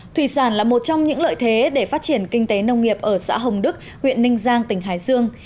thủy sản là một trong những lợi thế để phát triển kinh tế nông nghiệp ở xã hồng đức huyện ninh giang tỉnh hải dương